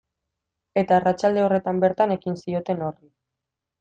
Eta arratsalde horretan bertan ekin zioten horri.